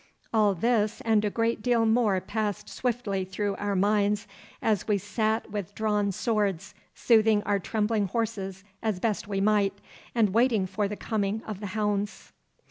All this and a great deal more passed swiftly through our minds as we sat with drawn swords, soothing our trembling horses as best we might, and waiting for the coming of the hounds.